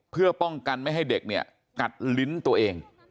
เพื่อป้องกันไม่ให้เด็กเนี่ยกัดลิ้นตัวเอง